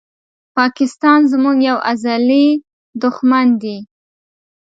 پاکستان زموږ یو ازلې دښمن دي